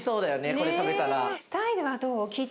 これ食べたら。ね。